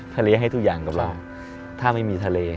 ทะเลให้ทุกอย่างถ้าไม่มีทะเล